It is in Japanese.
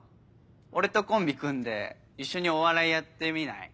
俺とコンビ組んで一緒にお笑いやってみない？